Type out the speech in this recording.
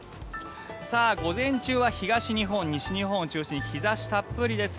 午前中は東日本、西日本を中心に日差したっぷりです。